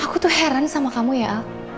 aku tuh heran sama kamu ya al